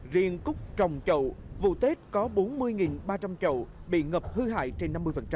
riêng cúc trồng chậu vụ tết có bốn mươi ba trăm linh trậu bị ngập hư hại trên năm mươi